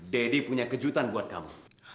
deddy punya kejutan buat kamu